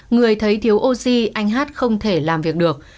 người thấy thiếu oxy anh hát không thể làm việc được